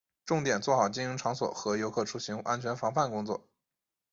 重点做好经营场所和游客出行安全防范工作